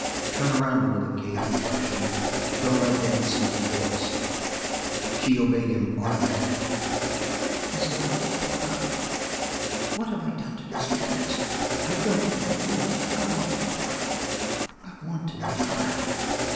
"Turn around a little, Kate," he cautioned. "Don't let Dan see your face." She obeyed him automatically. "Is there a hope, Buck? What have I done to deserve this? I don't want to live; I want to die! I want to die!"